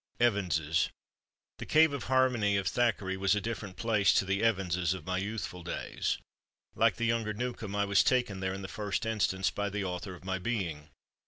Evans's. The "Cave of Harmony" of Thackeray was a different place to the "Evans's" of my youthful days. Like the younger Newcome, I was taken there in the first instance, by the author of my being.